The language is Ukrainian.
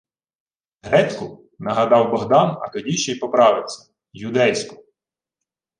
— Грецьку, — нагадав Богдан, а тоді ще й поправився: — Юдейську.